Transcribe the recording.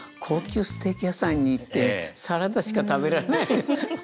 高級ステーキ屋さんに行ってサラダしか食べられないって。